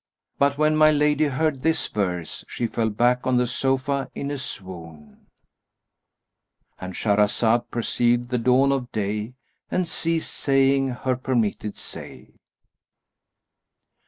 But when my lady heard this verse she fell back on the sofa in a swoon,"—And Shahrazad perceived the dawn of day and ceased saying her permitted say.